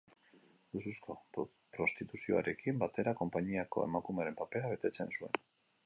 Luxuzko prostituzioarekin batera konpainiako emakumearen papera betetzen zuen.